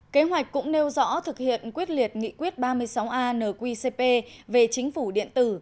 kế hoạch cũng nêu rõ thực hiện quyết liệt nghị quyết ba mươi sáu an nqcp về chính phủ điện tử